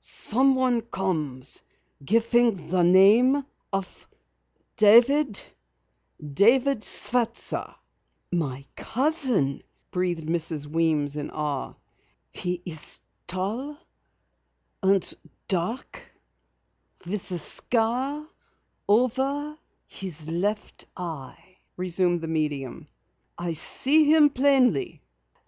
"Someone comes, giving the name of David David Swester." "My cousin," breathed Mrs. Weems in awe. "He is tall and dark with a scar over his left eye," resumed the medium. "I see him plainly now."